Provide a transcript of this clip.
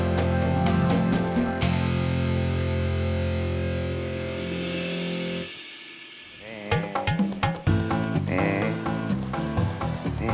minta ibu sayang liat ya